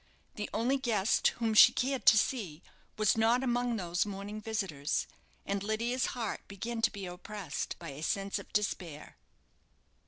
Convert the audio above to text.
The only guest whom she cared to see was not among those morning visitors; and Lydia's heart began to be oppressed by a sense of despair.